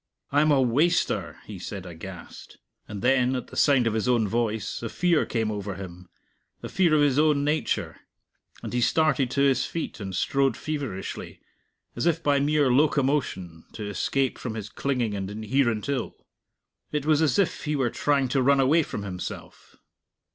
"I'm a waster!" he said aghast. And then, at the sound of his own voice, a fear came over him, a fear of his own nature; and he started to his feet and strode feverishly, as if by mere locomotion, to escape from his clinging and inherent ill. It was as if he were trying to run away from himself.